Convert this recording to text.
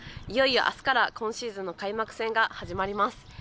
いよいよ明日から今シーズンの開幕戦が始まります。